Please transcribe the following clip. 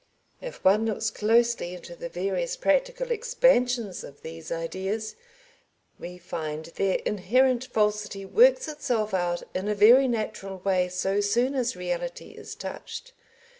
If one looks closely into the various practical expansions of these ideas, we find their inherent falsity works itself out in a very natural way so soon as reality is touched.